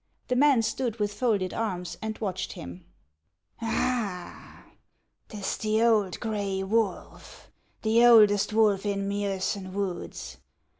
The man stood with folded arms, and watched him. " Ah ! 't is the old gray wolf, — the oldest wolf in Miosen woods!